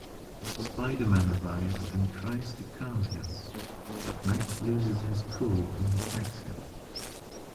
Spider Man arrives and tries to calm him, but Max loses his cool and attacks him.